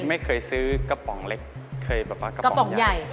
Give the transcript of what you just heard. ไม่เคยซื้อกระป๋องเล็กเคยแบบว่ากระป๋องใหญ่